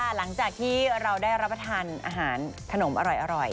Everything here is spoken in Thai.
หลังจากที่เราได้รับประทานอาหารขนมอร่อย